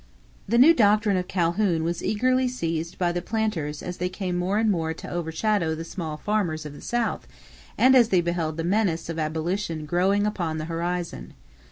= The new doctrine of Calhoun was eagerly seized by the planters as they came more and more to overshadow the small farmers of the South and as they beheld the menace of abolition growing upon the horizon.